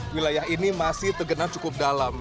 wilayah ini masih tergenang cukup dalam